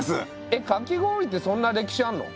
えっかき氷ってそんな歴史あんの？